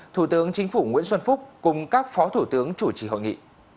thủ tướng chính phủ nguyễn xuân phúc cùng các phó thủ tướng chủ trì hội nghị